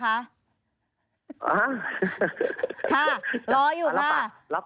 ค่ะรออยู่ค่ะ